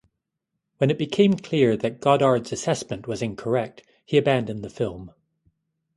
When it became clear that Godard's assessment was incorrect, he abandoned the film.